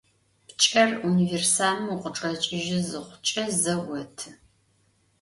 Pç'er vunivêrsamım vukhıçç'eç'ıjı zıxhuç'e ze votı.